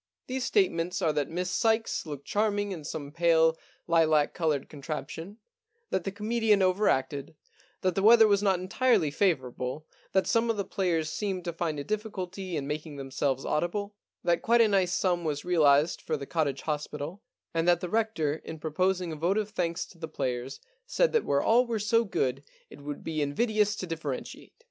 These statements are that Miss Sykes looked charming in some pale lilac coloured contraption, that the comedian over acted, that the weather was not entirely favourable, that some of the players seemed to find a difficulty in making themselves audible, that quite a nice sum was realised for the Cottage Hospital, and that the Rector in proposing a vote of thanks to the players said that where all were so good it would be invidious to differentiate.